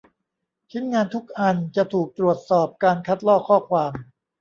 ชิ้นงานทุกอันจะถูกตรวจสอบการคัดลอกข้อความ